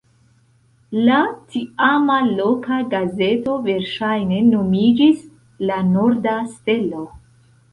La tiama loka gazeto verŝajne nomiĝis "La Norda Stelo".